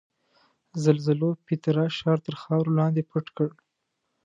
زلزلو پیترا ښار تر خاورو لاندې پټ کړ.